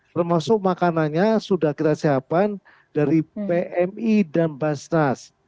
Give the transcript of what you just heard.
termasuk makanannya sudah kita siapkan dari pmi dan basnas